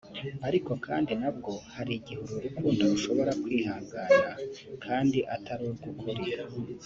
Ariko kandi nabwo hari igihe uru rukundo rushobora kwihangana kandi atari urw’ukuri